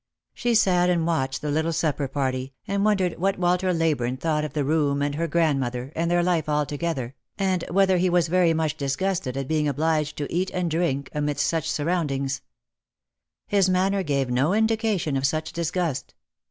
She sat and watched the little supper party, and wondered what Walter Leyburne thought of the room, and i er grandmother, and their life altogether, and whether he was very much dis gusted at being obliged to eat and drink amidst such surround ujosi jor jjove. 63 ings. His manner gave no indication of such disgust.